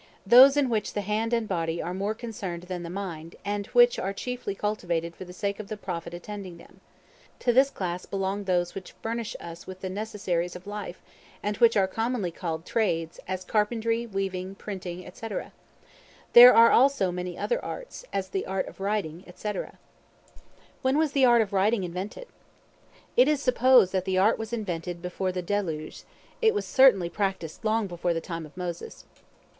Those in which the hand and body are more concerned than the mind, and which are chiefly cultivated for the sake of the profit attending them. To this class belong those which furnish us with the necessaries of life, and which are commonly called trades, as carpentry, weaving, printing, &c. There are also many other arts, as the art of writing, &c. When was the art of Writing invented? It is supposed that the art was invented before the Deluge: it was certainly practised long before the time of Moses.